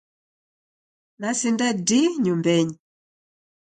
Nasinda di nyumbenyi